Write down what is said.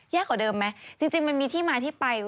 กว่าเดิมไหมจริงมันมีที่มาที่ไป